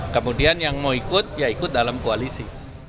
kemudian yang mau ikut ya ikut dalam koalisi